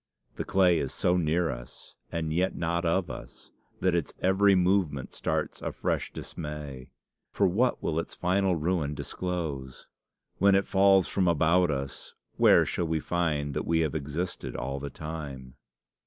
The clay is so near us, and yet not of us, that its every movement starts a fresh dismay. For what will its final ruin disclose? When it falls from about us, where shall we find that we have existed all the time?